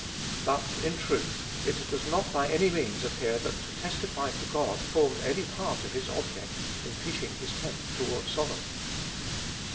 But in truth, it does not by any means appear that to testify for God formed any part of his object in "pitching his tent toward Sodom."